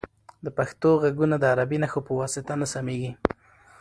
د پښتو غږونه د عربي نښو په واسطه نه سمیږي.